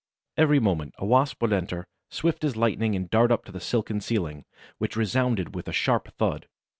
Every moment a Wasp would enter, swift as lightning, and dart up to the silken ceiling, which resounded with a sharp thud.